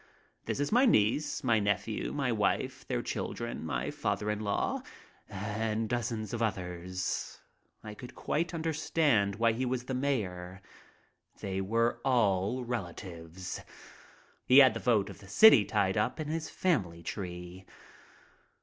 "This is my niece, my nephew, his wife, their children, my father in law," and dozens of others. I could quite understand why he was the mayor. They were all relatives. He had the vote of the city tied up in his family tree.